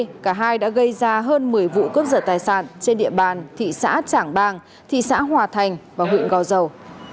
lịch sử hai đã gây ra hơn một mươi vụ cướp giật tài sản trên địa bàn thị xã trảng bang thị xã hòa thành và huyện gò dầu